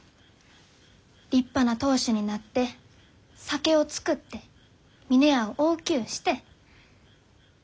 立派な当主になって酒を造って峰屋を大きゅうして。